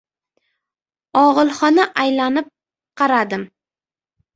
Og‘ilxona aylanib qaradim.